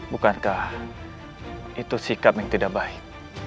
bukankah itu sikap yang tidak baik